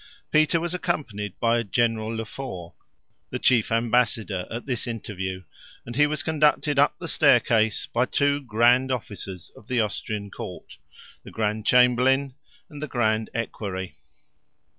Peter was accompanied by General Le Fort, the chief embassador, at this interview, and he was conducted up the staircase by two grand officers of the Austrian court the grand chamberlain and the grand equerry.